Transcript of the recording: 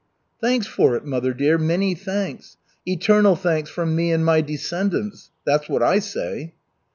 "Thanks for it, mother dear, many thanks. Eternal thanks from me and my descendants. That's what I say."